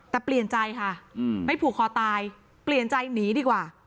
แต่เปลี่ยนใจค่ะไม่ผูกคอตายเปลี่ยนใจหนีดีกว่า